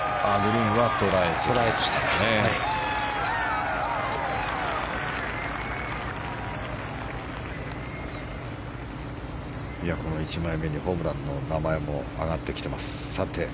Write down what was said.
ボードの１枚目にホブランの名前も上がってきています。